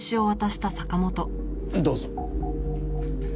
どうぞ。